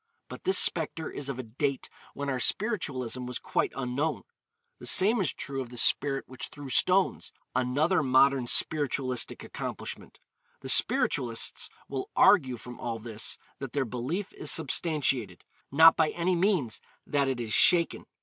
But this spectre is of a date when our spiritualism was quite unknown. The same is true of the spirit which threw stones, another modern spiritualistic accomplishment. The spiritualists will argue from all this that their belief is substantiated, not by any means that it is shaken.